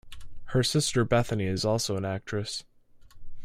Her sister, Bethany, is also an actress.